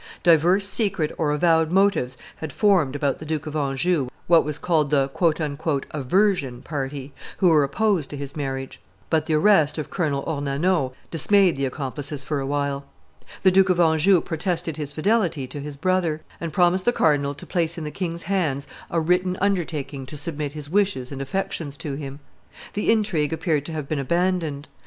Divers secret or avowed motives had formed about the Duke of Anjou what was called the "aversion" party, who were opposed to his marriage; but the arrest of Colonel Ornano dismayed the accomplices for a while. The Duke of Anjou protested his fidelity to his brother, and promised the cardinal to place in the king's hands a written undertaking to submit his wishes and affections to him. The intrigue appeared to have been abandoned.